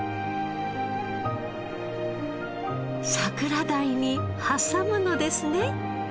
桜鯛に挟むのですね。